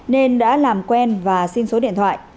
nên đã làm quen và xin số điện thoại